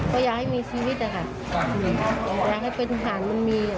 ก็อยากให้มีชีวิตอะค่ะอยากให้เป็นทหารมันมี